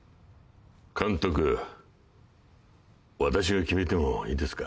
監督私が決めてもいいですか。